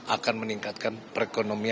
akan meningkatkan perkara perkara yang berbeda